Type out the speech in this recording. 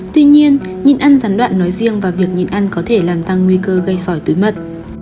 tuy nhiên nhịn ăn gián đoạn nói riêng và việc nhịn ăn có thể làm tăng nguy cơ gây sỏi túi mật